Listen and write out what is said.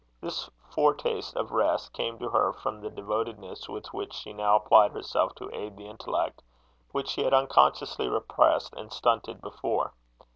This foretaste of rest came to her from the devotedness with which she now applied herself to aid the intellect, which she had unconsciously repressed and stunted before.